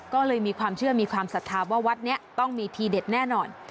ก็เลยมีความเชื่อมีความศรัทธาว่าวัดนี้ต้องมีทีเด็ดแน่นอน